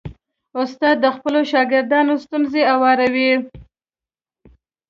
استاد د خپلو شاګردانو ستونزې اوري.